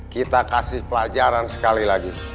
kita kasih pelajaran sekali lagi